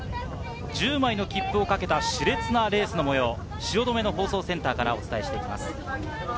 １０枚の切符を懸けた熾烈なレースの模様を汐留の放送センターからお伝えします。